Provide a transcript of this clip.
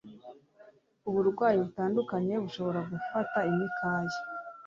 Uburwayi butandukanye bushobora gufata imikaya